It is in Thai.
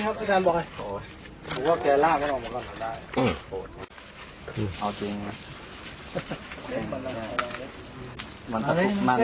ขับทราบด้วยถอยน่าจะอยู่ข้างข้าง